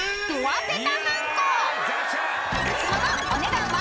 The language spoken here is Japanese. ［そのお値段は？］